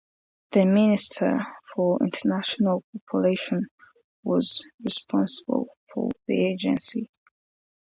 The Minister for International Cooperation was responsible for the agency.